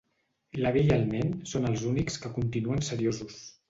L'avi i el nen són els únics que continuen seriosos.